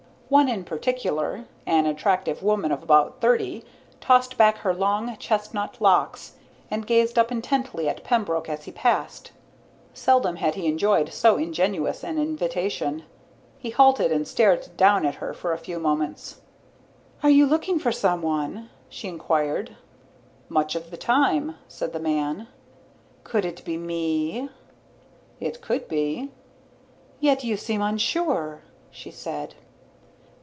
One in particular, an attractive woman of about thirty, tossed back her long, chestnut locks and gazed up intently at Pembroke as he passed. Seldom had he enjoyed so ingenuous an invitation. He halted and stared down at her for a few moments. "You are looking for someone?" she inquired. "Much of the time," said the man. "Could it be me?" "It could be." "Yet you seem unsure," she said.